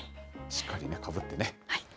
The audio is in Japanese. しっかりかぶってね。